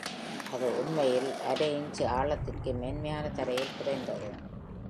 அது உண்மையில் அரை இஞ்சு ஆழத்திற்கு மென்மையான தரையில் புதைந்தது.